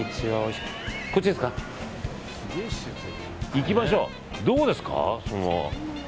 行きましょう、どこですか。